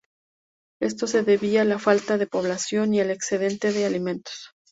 Esto se debía a la falta de población y al excedente de alimentos.